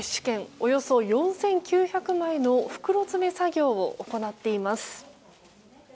およそ４９００枚の袋詰め作業を行っています。